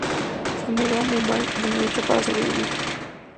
Se mudó a Mumbai donde luchó para sobrevivir.